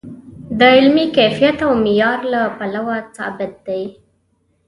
د علمي کیفیت او معیار له پلوه ثابت دی.